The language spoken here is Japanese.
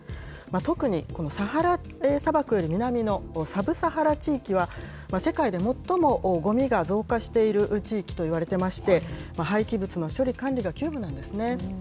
特に、このサハラ砂漠より南のサブ・サハラ地域は、世界で最もごみが増加している地域といわれていまして、廃棄物の処理・管理が急務なんですね。